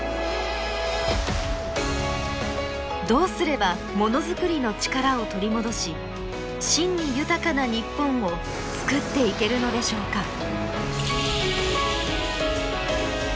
どうすればものづくりの力を取り戻し真に豊かな日本をつくっていけるのでしょうか。